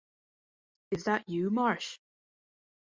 Is that you, Marsh?